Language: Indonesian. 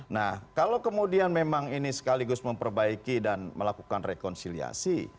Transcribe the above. nah kalau kemudian memang ini sekaligus memperbaiki dan melakukan rekonsiliasi